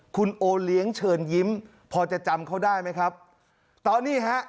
คุณโอเลี้ยงเชิญยิ้มพอจะจำเขาได้ไหมครับตอนนี้ฮะ